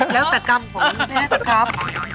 แล้วแต่กรรมของมีแท้แต่ครับ